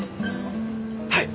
はい。